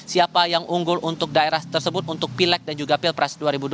siapa yang unggul untuk daerah tersebut untuk pilek dan juga pilpres dua ribu dua puluh